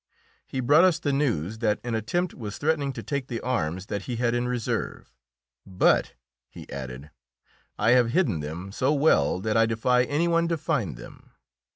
He brought us the news that an attempt was threatening to take the arms that he had in reserve, "But," he added, "I have hidden them so well that I defy any one to find them."